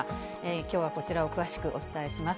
きょうはこちらを詳しくお伝えします。